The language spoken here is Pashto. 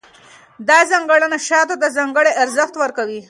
دا ځانګړنه شاتو ته ځانګړی ارزښت ورکوي.